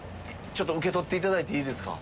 ちょっと受け取って頂いていいですか？